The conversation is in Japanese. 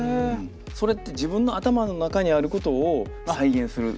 それって自分の頭の中にあることを再現するじゃないですか。